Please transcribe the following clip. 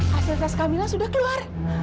hasil tes kamila sudah keluar